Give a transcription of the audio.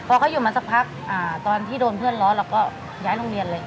พอเขาอยู่มาสักพักตอนที่โดนเพื่อนล้อเราก็ย้ายโรงเรียนเลย